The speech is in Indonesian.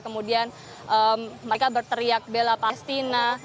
kemudian mereka berteriak bela palestina